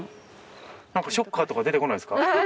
ショッカーとか出てこないですか。